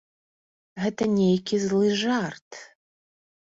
Гэта нейкі злы жарт.